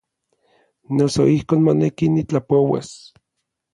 Noso ijkon moneki nitlapouas.